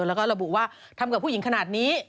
แล้วก็ระบุว่าทำกับผู้หญิงขนาดนี้